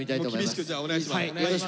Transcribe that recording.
厳しくじゃあお願いします。